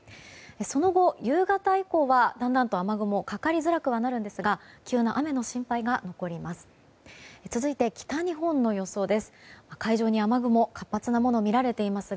その後、夕方以降はだんだんと雨雲かかりづらくはなるんですが急な雨の心配が残ります。